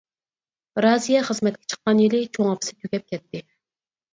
رازىيە خىزمەتكە چىققان يىلى چوڭ ئاپىسى تۈگەپ كەتتى.